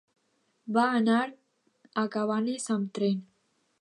Va anar a Cabanes amb tren.